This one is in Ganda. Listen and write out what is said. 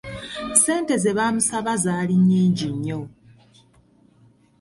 Ssente ze baamusaba zaali nyingi nnyo.